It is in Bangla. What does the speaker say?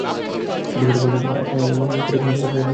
দেখো বাঁটুল, অপমান করে কথা বলবে না।